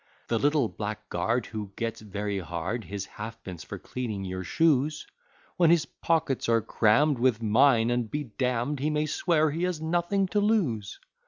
The little blackguard Who gets very hard His halfpence for cleaning your shoes: When his pockets are cramm'd With mine, and be d d, He may swear he has nothing to lose.